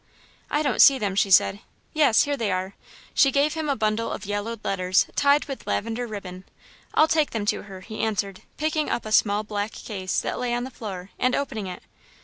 "I don't see them," she said, "yes, here they are." She gave him a bundle of yellowed letters, tied with lavender ribbon. "I'll take them to her," he answered, picking up a small black case that lay on the floor, and opening it.